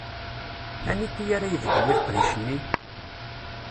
Aniti ara ibedden i leqdic-nni?